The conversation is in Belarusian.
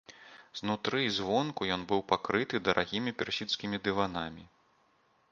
Знутры і звонку ён быў пакрыты дарагімі персідскімі дыванамі.